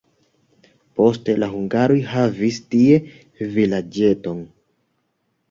Poste la hungaroj havis tie vilaĝeton.